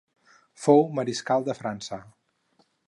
Fou mariscal de França.